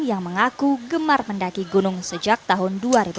yang mengaku gemar mendaki gunung sejak tahun dua ribu tujuh belas